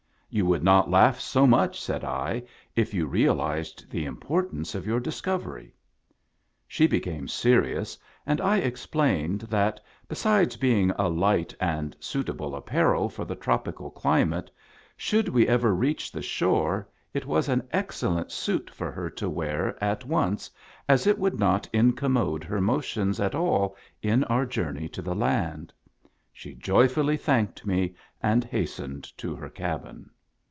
"You would not laugh so much," said I, "if you realized the importance of your discovery " She became serious, and I explained that, besides being a light and suitable apparel for the tropical climate, should we ever reach the shore, it was an ex cellent suit for her to wear at once, as it would not incommode her motions at all in our journey to the land. She joyfully thanked me and hastened to her cabin.